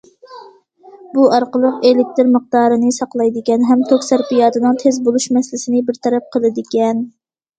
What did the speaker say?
بۇ ئارقىلىق ئېلېكتىر مىقدارىنى ساقلايدىكەن ھەم توك سەرپىياتىنىڭ تېز بولۇش مەسىلىسىنى بىر تەرەپ قىلىدىكەن.